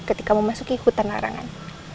ketika memasuki hutan larangan